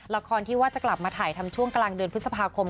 ละครที่ว่าจะกลับมาถ่ายทำช่วงกลางเดือนพฤษภาคม